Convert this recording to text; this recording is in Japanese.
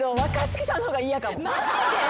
マジで？